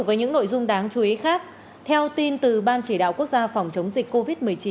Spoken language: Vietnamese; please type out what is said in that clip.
với những nội dung đáng chú ý khác theo tin từ ban chỉ đạo quốc gia phòng chống dịch covid một mươi chín